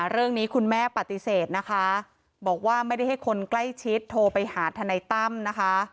เรื่องนี้คุณแม่ปฏิเสธนะคะบอกว่าไม่ได้ให้คนใกล้ชิดโทรไปหาทนายตั้มนะคะ